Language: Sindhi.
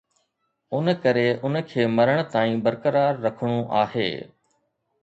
ان ڪري ان کي مرڻ تائين برقرار رکڻو آهي